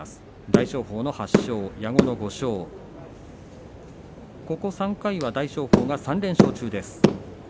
大翔鵬の８勝、矢後の５勝ここ３回は大翔鵬が３連勝中です。